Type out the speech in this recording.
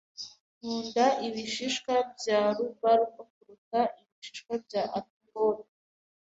Nkunda ibishishwa bya rhubarb kuruta ibishishwa bya apicot.